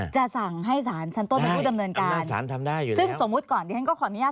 จะสั่งให้สารชั้นต้นอาจจะไปดำเนินการ